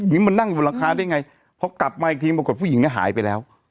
นี่มันนั่งอยู่บนหลังคาได้ไงพอกลับมาอีกทีปรากฏผู้หญิงหายไปแล้ว